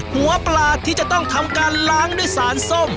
หัวปลาที่จะต้องทำการล้างด้วยสารส้ม